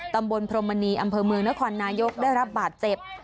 พรมมณีอำเภอเมืองนครนายกได้รับบาดเจ็บ